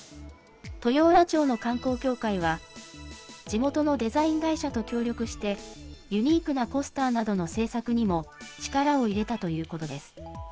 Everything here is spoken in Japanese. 豊浦町の観光協会は、地元のデザイン会社と協力して、ユニークなポスターなどの制作にも力を入れたということです。